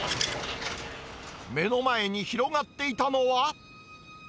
目の前に広がっていたのは。